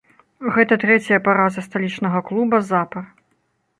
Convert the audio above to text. Гэта трэцяя параза сталічнага клуба запар.